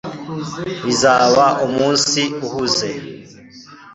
bizaba umunsi uhuze